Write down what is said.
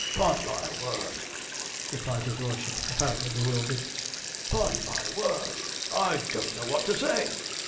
''Pon my word,' replied his lordship, apparently bewildered ''pon my word, I don't know what to say.